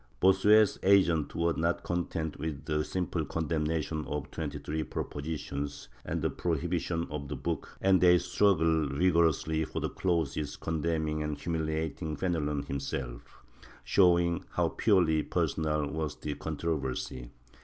Bossuet's agents were not content wit.h the simple condemnation of twenty three propositions and the prohibition of the book, and they struggled vigorously for clauses condemning and humiliating Fenelon himself, showing how purely Chap. V] F^NELON AND BOSSUET 67 personal was the controversy.